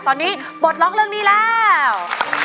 ตอนนี้ปลดล็อกเรื่องนี้แล้ว